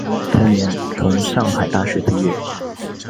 同年从上海大学毕业。